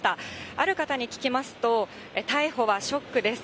ある方に聞きますと、逮捕はショックです。